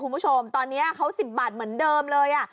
คุณผู้ชมตอนนี้เขา๑๐บาทเหมือนเดิมเลย